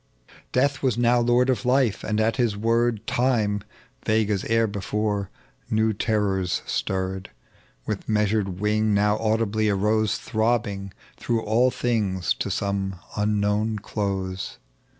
Beath was now lord of Life, and at his word Time, vague as air before, new terrors stirred, With measured wing now audibly arose Throbbing through all thii^s to some unknown close.